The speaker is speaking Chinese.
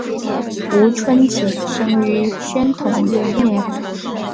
吴春晴生于宣统元年。